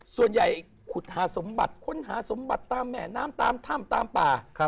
ส่วนใหญ่ขุดหาสมบัติค้นหาสมบัติตามแม่น้ำตามถ้ำตามป่า